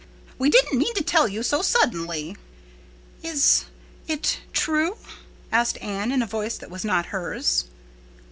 _ We didn't mean to tell you so suddenly." "Is—it—true?" asked Anne in a voice that was not hers.